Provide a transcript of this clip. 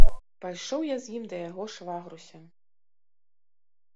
Пайшоў я з ім да яго швагруся.